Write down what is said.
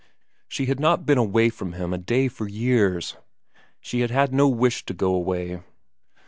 She had not been away from him a day for years ; she had had no wish to go away.